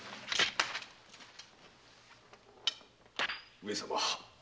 上様。